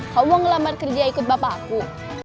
kamu ngelamat kerja ikut bapak aku